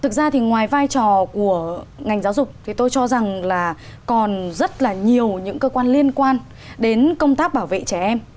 thực ra thì ngoài vai trò của ngành giáo dục thì tôi cho rằng là còn rất là nhiều những cơ quan liên quan đến công tác bảo vệ trẻ em